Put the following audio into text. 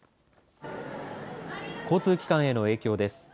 交通機関への影響です。